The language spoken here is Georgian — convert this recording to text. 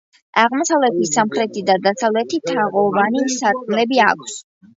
აღმოსავლეთით, სამხრეთით და დასავლეთით თაღოვანი სარკმლები აქვს.